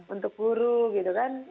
untuk guru gitu kan